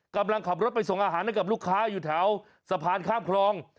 กำลังขับรถไปส่งอาหารให้กับลูกค้าอยู่แถวสะพานข้ามคลอง